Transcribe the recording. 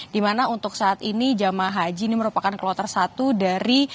dimana untuk saat ini jamaah haji ini merupakan kloter satu dari